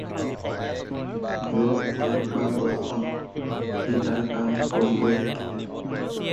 ৰ'দ দিয়ক বা বৰষুন, সি তাৰ কাম কৰিবই।